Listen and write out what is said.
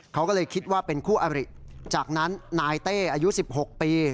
เขาก็เลยคิดว่าเป็นคู่อบริจากนั้นนายเต้อายุ๑๖ปี